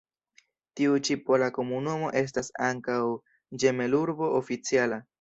Tiu ĉi pola komunumo estas ankaŭ ĝemelurbo oficiala.